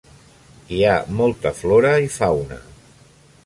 Hi ha molta flora i fauna.